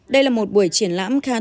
đây là một buổi triển lãm khá là nổi tiếng